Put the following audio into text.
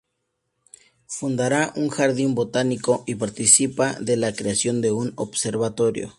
Fundará un Jardín botánico, y participa de la creación de un observatorio.